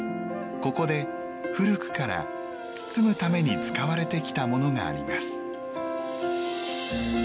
ここで古くから包むために使われてきたものがあります。